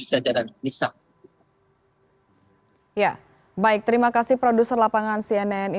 dan juga pak kapolri